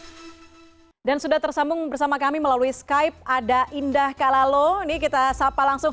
hai dan sudah tersambung bersama kami melalui skype ada indah kalalo ini kita sapa langsung